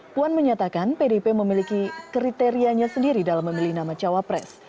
puan menyatakan pdip memiliki kriterianya sendiri dalam memilih nama cawapres